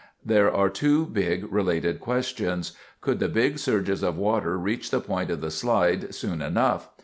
There are two big, related questions. Could the big surges of water reach the point of the slide soon enough?